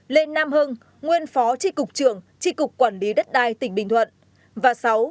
năm lê nam hưng nguyên phó tri cục trưởng tri cục quản lý đất đai tỉnh bình thuận